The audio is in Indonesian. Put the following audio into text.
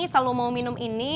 selalu mau minum ini